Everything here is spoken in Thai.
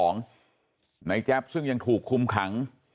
นายแจ๊บซึ่งยังถูกคุมขัง